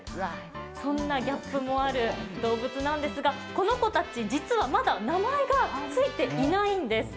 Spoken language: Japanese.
そんなギャップもある動物なんですが、この子たち、実はまだ名前がついていないんです。